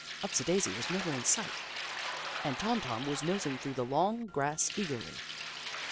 Upsidaisi was nowhere in sight, and Tom Tom was nosing through the long grass eagerly.